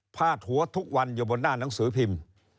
พาดหัวทุกวันอยู่บนหน้าหนังสือพิมพ์